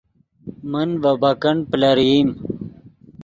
من ڤے بیکنڈ پلرئیم